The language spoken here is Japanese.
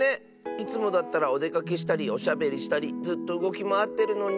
いつもだったらおでかけしたりおしゃべりしたりずっとうごきまわってるのに。